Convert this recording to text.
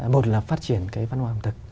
một là phát triển cái văn hóa ẩm thực